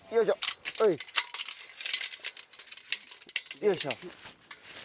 よいしょ。